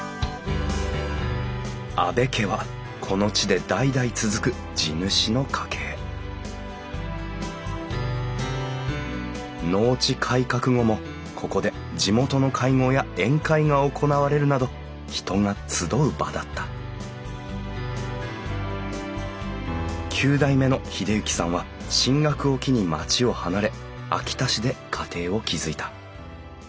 阿部家はこの地で代々続く地主の家系農地改革後もここで地元の会合や宴会が行われるなど人が集う場だった９代目の英之さんは進学を機に町を離れ秋田市で家庭を築いた。